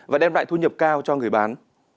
và đem lại thu nhập cao cho người bán